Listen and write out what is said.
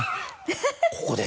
ここで？